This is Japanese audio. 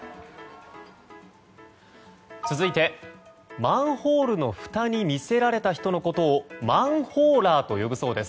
続いてマンホールのふたに魅せられた人のことをマンホーラーと呼ぶそうです。